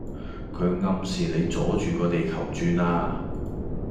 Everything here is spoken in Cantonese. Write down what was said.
佢暗示你阻住個地球轉呀